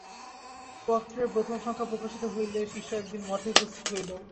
পত্রের প্রথম সংখ্যা প্রকাশিত হইলে শিষ্য একদিন মঠে উপস্থিত হইল।